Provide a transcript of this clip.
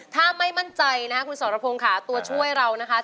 ถ้าไม่มั่นใจนะคะคุณสรพงศ์ค่ะตัวช่วยเรานะคะ